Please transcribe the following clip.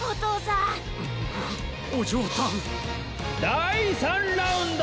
だい３ラウンド！